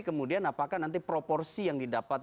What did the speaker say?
kemudian apakah nanti proporsi yang didapat